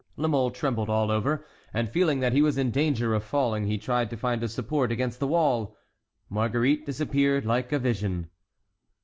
La Mole trembled all over and, feeling that he was in danger of falling, he tried to find a support against the wall. Marguerite disappeared like a vision.